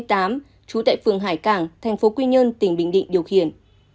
trú tại phường hải cảng tp quy nhơn tỉnh bình định điều khiển